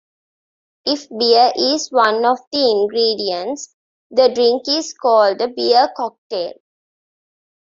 If beer is one of the ingredients, the drink is called a beer cocktail.